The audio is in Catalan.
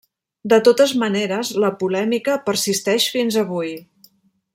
De totes maneres la polèmica persisteix fins avui.